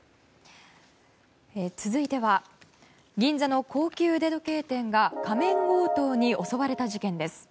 続いては銀座の高級腕時計店が仮面強盗に襲われた事件です。